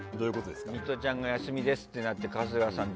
ミトちゃんが休みですとなって春日さん